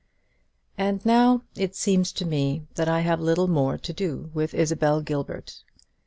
And now it seems to me that I have little more to do with Isabel Gilbert.